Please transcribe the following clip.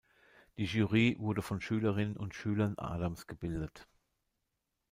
Die Jury wurde von Schülerinnen und Schülern Adams gebildet.